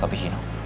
seperti kata kota